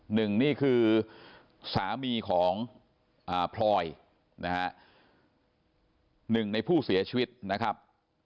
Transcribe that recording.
หนึ่งนี่คือสามีของพลอยนะฮะหนึ่งในผู้เสียชีวิตนะครับ